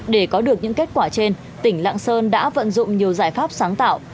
để có được những kết quả trên tỉnh lạng sơn đã vận dụng nhiều giải pháp sáng tạo